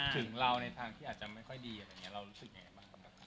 ถึงเราในทางที่อาจจะไม่ค่อยดีอะไรอย่างนี้เรารู้สึกยังไงบ้างครับ